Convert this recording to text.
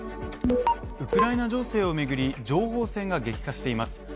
ウクライナ情勢を巡り情報戦が激化しています。